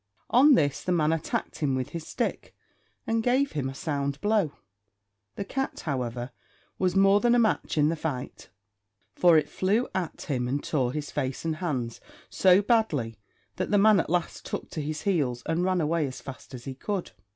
On this the man attacked him with his stick, and gave him a sound blow; the cat, however, was more than a match in the fight, for it flew at him and tore his face and hands so badly that the man at last took to his heels and ran away as fast as he could.